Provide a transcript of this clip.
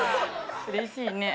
うれしいね。